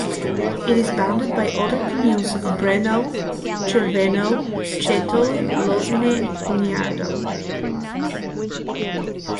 It is bounded by other communes of Breno, Cerveno, Ceto, Losine, Niardo.